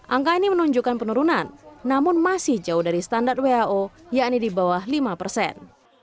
angka ini menunjukkan penurunan namun masih jauh dari standar who yakni di bawah lima persen